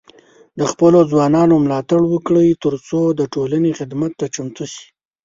د خپلو ځوانانو ملاتړ وکړئ، ترڅو د ټولنې خدمت ته چمتو شي.